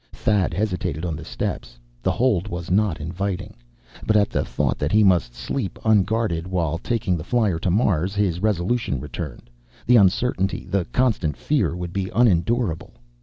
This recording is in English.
Thad hesitated on the steps. The hold was not inviting. But at the thought that he must sleep, unguarded, while taking the flier to Mars, his resolution returned. The uncertainty, the constant fear, would be unendurable.